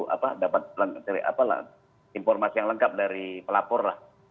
apa dapat informasi yang lengkap dari pelapor lah